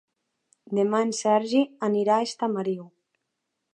Demà en Sergi anirà a Estamariu.